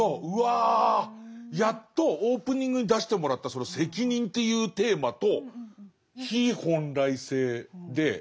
うわやっとオープニングに出してもらったその「責任」っていうテーマと非本来性で。